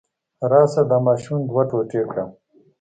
راشه دا ماشوم دوه ټوټې کړه.